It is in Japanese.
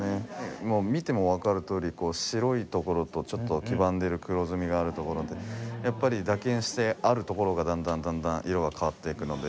もう見てもわかるとおり白い所とちょっと黄ばんでる黒ずみがある所でやっぱり打鍵してある所がだんだんだんだん色が変わっていくので。